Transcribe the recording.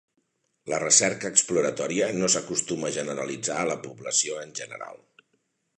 La recerca exploratòria no s'acostuma a generalitzar a la població en general.